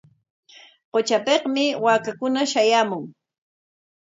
Qutrapikmi waakakuna shayaamuq.